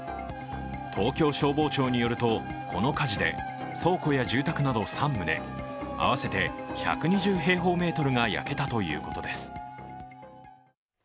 東京消防庁によるとこの火事で倉庫や住宅など３棟、合わせて１２０平方メートルが焼けたということです。